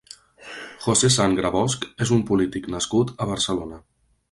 Jose Sangra Bosch és un polític nascut a Barcelona.